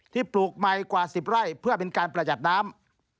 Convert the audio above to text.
ปลูกใหม่กว่า๑๐ไร่เพื่อเป็นการประหยัดน้ำ